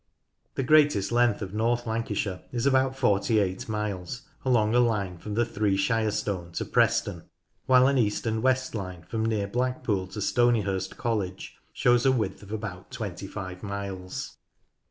The greatest length of North Lancashire is about 48 miles along a line from the Three Shire Stone to Preston, while an east and west line from near Blackpool to Stony hurst College shows a width of about 25 miles.